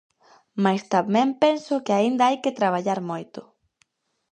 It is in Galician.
Mais tamén penso que aínda hai que traballar moito.